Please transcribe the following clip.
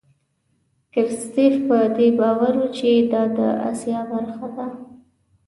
کرستیف په دې باور و چې دا د آسیا برخه ده.